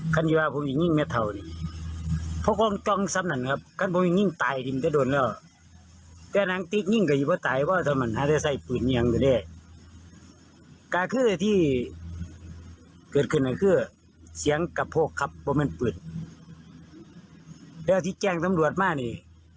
คนเหมือนกันนะครับอยู่เฮียนผมทั้งคนเหมือนกันเลยผมทาได้